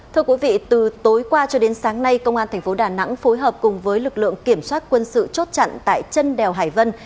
thưa quý vị từ tối qua cho đến sáng nay công an thành phố đà nẵng phối hợp cùng với lực lượng kiểm soát quân sự chốt chặn tại chân đèo hải vân